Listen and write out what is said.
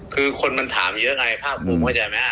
คือคนมันถามอยู่ด้วยไงภาพผมเข้าใจไหมฮะ